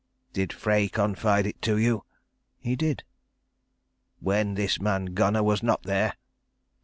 "Did Frey confide it to you?" "He did." "When this man Gunnar was not there?"